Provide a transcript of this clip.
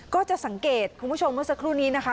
ก็จะสังเกตคุณผู้ชมเมื่อสักครู่นี้นะคะ